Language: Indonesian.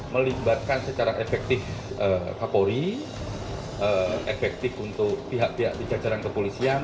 melibatkan secara efektif kapolri efektif untuk pihak pihak di jajaran kepolisian